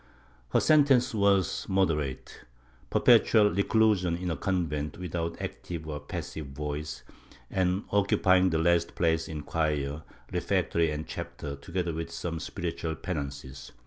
Her sentence was moderate — perpetual reclusion in a convent, without active or passive voice, and occupying the last place in choir, refectory and chapter, together with some spiritual penances.